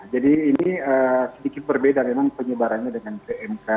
jadi ini sedikit berbeda memang penyebarannya dengan pmk